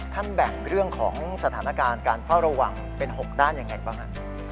แบ่งเรื่องของสถานการณ์การเฝ้าระวังเป็น๖ด้านยังไงบ้าง